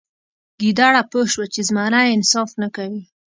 ګیدړه پوه شوه چې زمری انصاف نه کوي.